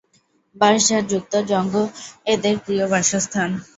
বাঁশঝাড় যুক্ত জঙ্গল এদের প্রিয় বাসস্থান।